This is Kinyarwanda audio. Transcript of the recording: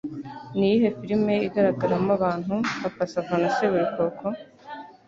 Niyihe film igaragaramo abantu papa sava na seburikoko?